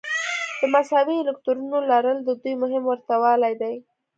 د مساوي الکترونونو لرل د دوی مهم ورته والی دی.